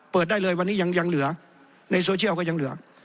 เปิดได้เลยวันนี้ยังเหลือในโซเชียลก็ยังเหลือ